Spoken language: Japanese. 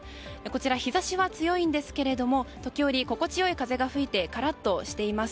日差しは強いんですけれども時折、心地良い風が吹いてカラッとしています。